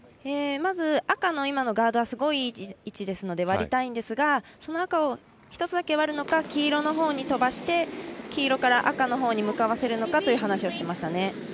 まず、赤の今のガードがすごく、いい位置なので割りたいんですがその赤を１つだけ割るのか黄色のほうに飛ばして黄色から赤のほうに向かわせるのかという話をしていました。